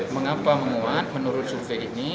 mengapa menguat menurut survei ini